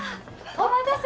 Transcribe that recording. お待たせ！